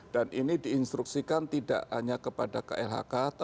dan ini diinstruksikan tidak hanya kepada klhk